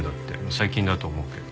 最近だと思うけど。